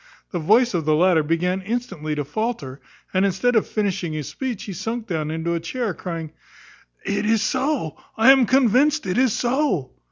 The voice of the latter began instantly to faulter; and, instead of finishing his speech, he sunk down into a chair, crying, "It is so, I am convinced it is so!"